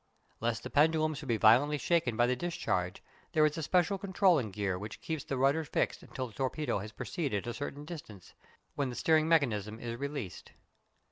Lest the pendulum should be violently shaken by the discharge there is a special controlling gear which keeps the rudders fixed until the torpedo has proceeded a certain distance, when the steering mechanism is released.